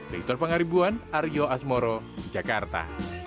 victor pangaribuan aryo asmoro jakarta